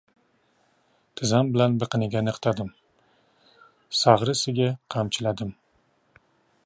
Tizzam bilan biqiniga niqtadim, sag‘risiga qamchiladim.